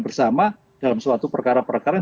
bersama dalam suatu perkara perkara yang